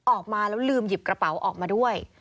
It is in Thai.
ออกมาแล้วลืมหยิบกระเป๋าออกมาด้วย